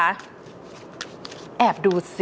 แอบดูสิ